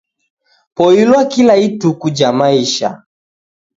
Poilwa kila ituku ja maisha.